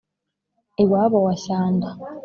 iwabo wa shyanda